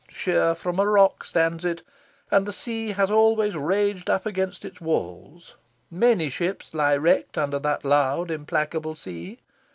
Sheer from a rock stands it, and the sea has always raged up against its walls. Many ships lie wrecked under that loud implacable sea.